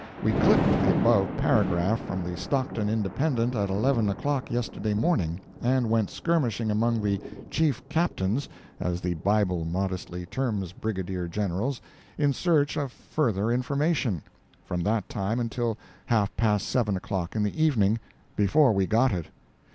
We clipped the above paragraph from the Stockton Independent at eleven o'clock yesterday morning, and went skirmishing among the "chief captains," as the Bible modestly terms Brigadier Generals, in search of further information, from that time until half past seven o'clock in the evening, before we got it.